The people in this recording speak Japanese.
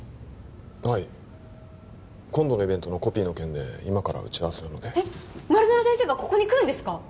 はい今度のイベントのコピーの件で今から打ち合わせなのでえっ丸園先生がここに来るんですか？